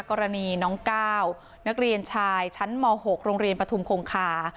กรณีน้องก้าวนักเรียนชายชั้นม๖โรงเรียนปฐุมคงคา